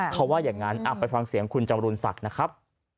เขาว่าอย่างนั้นไปฟังเสียงคุณจำรุนศักดิ์นะครับ